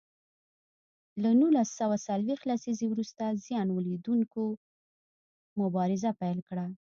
له نولس سوه څلویښت لسیزې وروسته زیان ولیدوونکو مبارزه پیل کړه.